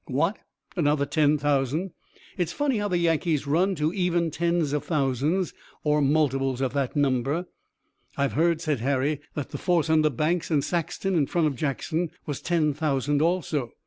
"What another ten thousand! It's funny how the Yankees run to even tens of thousands, or multiples of that number." "I've heard," said Harry, "that the force under Banks and Saxton in front of Jackson was ten thousand also."